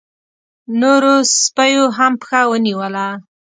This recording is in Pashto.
نورو سپيو هم پښه ونيوله.